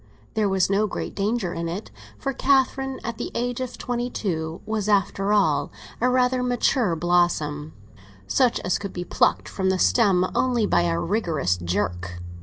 There was no great danger in it; for Catherine, at the age of twenty two, was, after all, a rather mature blossom, such as could be plucked from the stem only by a vigorous jerk.